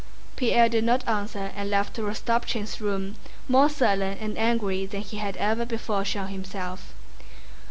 Pierre did not answer and left Rostopchín's room more sullen and angry than he had ever before shown himself.